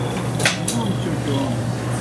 لُوم چوکِیون